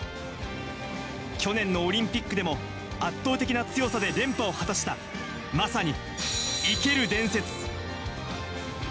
去年のオリンピックでも圧倒的な強さで連覇を果たした、まさに生ける伝説。